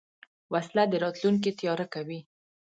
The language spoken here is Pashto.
وسله د راتلونکي تیاره کوي